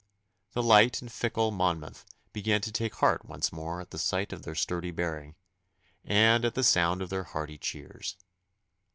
The light and fickle Monmouth began to take heart once more at the sight of their sturdy bearing, and at the sound of their hearty cheers.